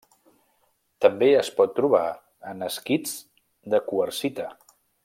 També es pot trobar en esquists de quarsita.